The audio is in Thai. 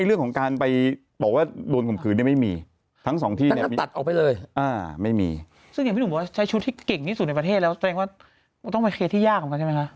ซึ่งอย่างพี่หนุ่มบอกว่าใช้ชุดที่เก่งที่สุดในประเทศแล้วแปลงว่าต้องไปเคลียดที่ยากเหมือนกันใช่ไหมคะ